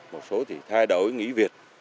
một số thì thay đổi nghỉ việc